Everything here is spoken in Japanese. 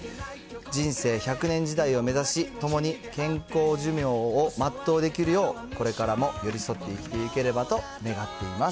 人生１００年時代を目指し、共に健康寿命を全うできるよう、これからも寄り添って生きてゆければと願っています。